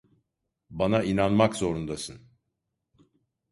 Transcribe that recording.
Bana inanmak zorundasın.